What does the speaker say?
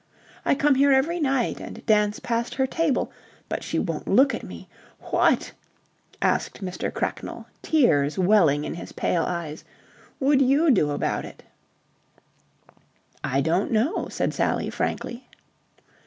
"I come here every night and dance past her table, but she won't look at me. What," asked Mr. Cracknell, tears welling in his pale eyes, "would you do about it?" "I don't know," said Sally, frankly.